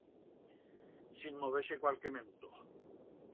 Sin mover-se cualque menuto.